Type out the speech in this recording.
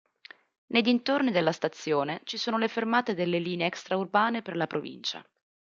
Nei dintorni della stazione ci sono le fermate delle linee extraurbane per la provincia.